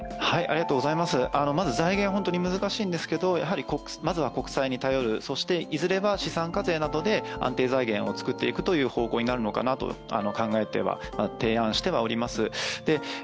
まず財源、本当に難しいんですけれどもまずは国債に頼る、そしていずれは資産課税などで安定財源を作っていく方向になっていくような提案してはおります。